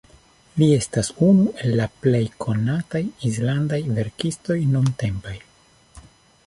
Li estas unu el la plej konataj islandaj verkistoj nuntempaj.